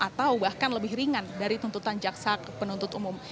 atau bahkan lebih ringan dari tuntutan jaksa penuntut umum